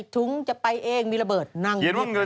เงินใส่ถุงจะไปเองมีระเบิดนั่งเงียบ